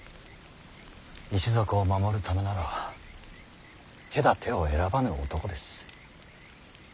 一族を守るためなら手だてを選ばぬ男です。